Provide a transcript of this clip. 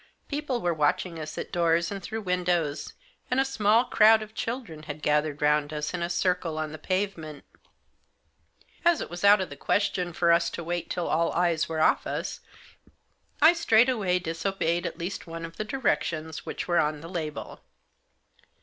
People were watching us at doors and through windows, and a small crowd of children had gathered round us in a circle on the pavement As it was out of the question for us to wait till all eyes were off us, I straightaway disobeyed at least one of the directions which were on the label.